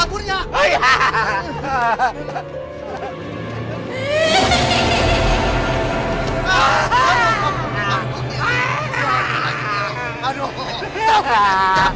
kamu lagi capek